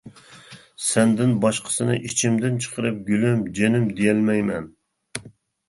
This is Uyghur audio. سەندىن باشقىسىنى ئىچىمدىن چىقىرىپ گۈلۈم، جېنىم. دېيەلمەيمەن.